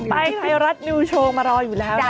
ไทยรัฐนิวโชว์มารออยู่แล้วนะ